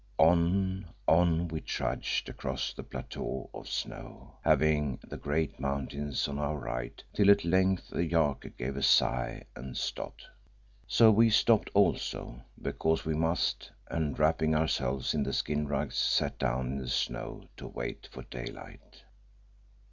On, on we trudged across a plateau of snow, having the great mountains on our right, till at length the yak gave a sigh and stopped. So we stopped also, because we must, and wrapping ourselves in the skin rugs, sat down in the snow to wait for daylight.